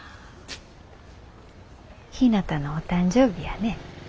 ひなたのお誕生日やね。